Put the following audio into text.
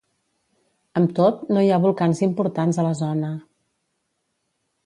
Amb tot, no hi ha volcans importants a la zona.